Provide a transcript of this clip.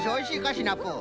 シナプー。